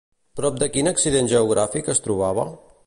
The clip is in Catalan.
Prop de quin accident geogràfic es trobava?